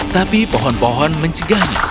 tapi pohon pohon mencegahnya